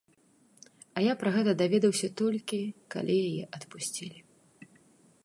А я пра гэта даведаўся толькі, калі яе адпусцілі.